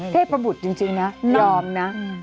เทพบุตรจริงนะยอมนะ